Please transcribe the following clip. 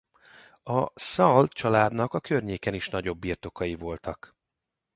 A Sal családnak a környéken is nagyobb birtokai voltak.